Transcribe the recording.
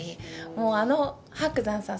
もうあの伯山さん